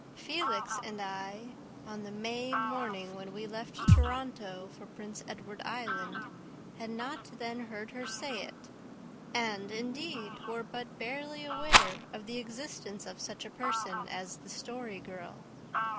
Felix and I, on the May morning when we left Toronto for Prince Edward Island, had not then heard her say it, and, indeed, were but barely aware of the existence of such a person as the Story Girl.